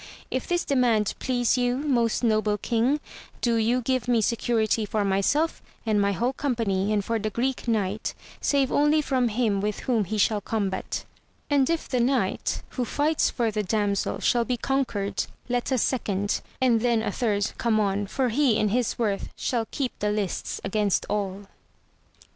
If this demand please you, most noble king, do you give me security for myself and my whole company, and for the Greek Knight, save only from him with whom he shall combat ; and if the knight who fights for the damsels shall be conquered, let a second, and then a third come on, for he in his worth shall keep the lists against all.